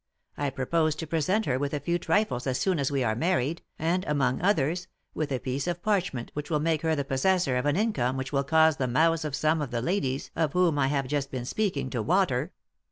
I propose to present her with a row trifles as soon as we are married, and, among others, with a piece of parchment which will make her the possessor of an income which will cause the mouths of some of the ladies 01 whom I have just been speaking to water.